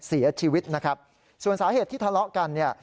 เสียชีวิตนะครับส่วนสาเหตุที่ทะเลาะกันเนี่ย